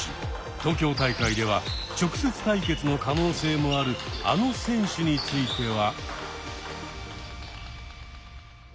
東京大会では直接対決の可能性もあるあの選手については？